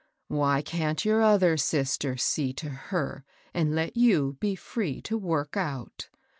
" Why can't your other sister see to her, and let you be free to work out